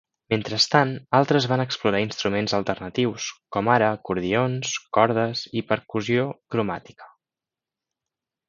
Mentrestant, altres van explorar instruments alternatius, com ara acordions, cordes i percussió cromàtica.